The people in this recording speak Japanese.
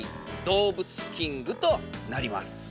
動物キングとなります。